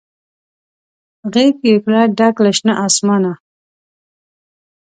غیږ یې کړه ډکه له شنه اسمانه